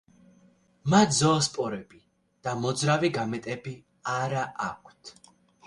მათ ზოოსპორები და მოძრავი გამეტები არა აქვთ.